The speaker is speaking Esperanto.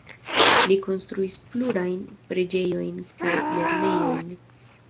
Li konstruis plurajn preĝejojn kaj lernejojn.